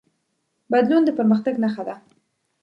بدلون د پرمختګ نښه ده.